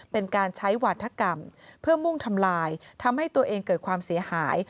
เป็นการใช้วาธกรรมเพื่อมุ่งทำลายทำให้ตัวเองเกิดความเสียหาย